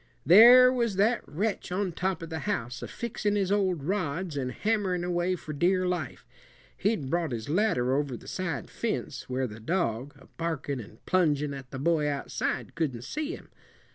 "There was that wretch on top of the house, a fixin' his old rods and hammerin' away for dear life. He'd brought his ladder over the side fence, where the dog, a barkin' and plungin' at the boy outside, couldn't see him.